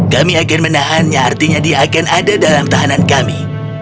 kami akan menahannya artinya dia akan ada dalam tahanan kami